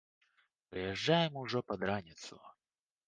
Прыязджаем ужо пад раніцу.